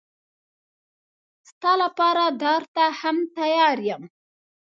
ستا لپاره دار ته هم تیار یم.